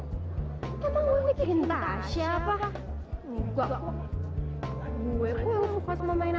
kalau gitu tolong dibungkus semuanya